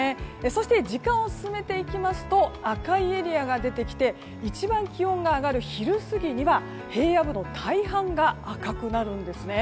そして、時間を進めていきますと赤いエリアが出てきて一番気温が上がる昼過ぎには平野部の大半が赤くなるんですね。